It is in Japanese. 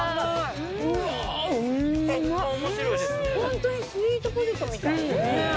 うわー、本当にスイートポテトみたい。